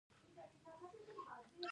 طلا د افغان کورنیو د دودونو مهم عنصر دی.